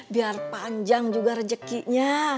biar panjang juga rejekinya